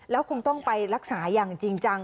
แล้วคงต้องไปรักษาอย่างจริงจัง